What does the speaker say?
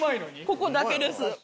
ここだけです。